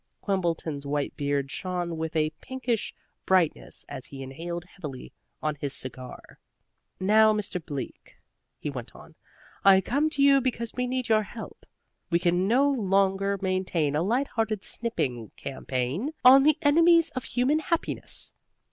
Quimbleton's white beard shone with a pinkish brightness as he inhaled heavily on his cigar. "Now, Mr. Bleak," he went on, "I come to you because we need your help. We can no longer maintain a light hearted sniping campaign on the enemies of human happiness.